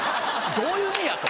どういう意味や？と。